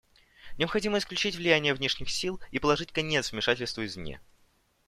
Необходимо исключить влияние внешних сил и положить конец вмешательству извне.